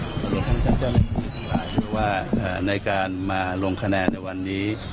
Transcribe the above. บริษัทเจ้าแม่งที่ราชวาดในการมาลงคะแนนในวันนี้